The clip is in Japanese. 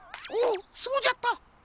おおそうじゃった。